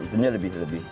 itunya lebih lebih